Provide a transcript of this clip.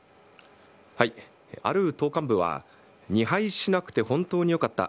ある党幹部は、２敗しなくて本当によかった。